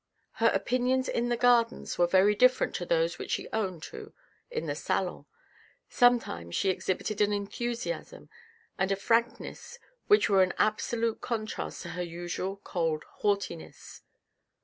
Her opinions in the gardens were very different to those which she owned to in the salon. Sometimes she exhibited an enthusiasm and a frankness which were in absolute contrast to her usual cold haughtiness.